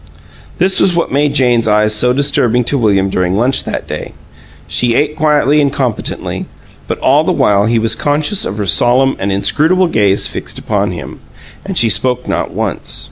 This was what made Jane's eyes so disturbing to William during lunch that day. She ate quietly and competently, but all the while he was conscious of her solemn and inscrutable gaze fixed upon him; and she spoke not once.